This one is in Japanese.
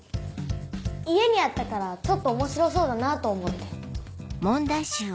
家にあったからちょっと面白そうだなと思って。